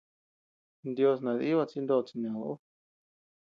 Ndios nadibad chi nod chined ú.